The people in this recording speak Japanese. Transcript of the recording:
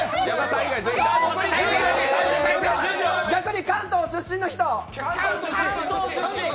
逆に関東出身の人！